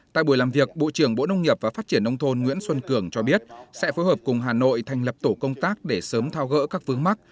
tại buổi làm việc bộ trưởng bộ nông nghiệp và phát triển nông thôn nguyễn xuân cường cho biết sẽ phối hợp cùng hà nội thành lập tổ công tác để sớm thao gỡ các vướng mắt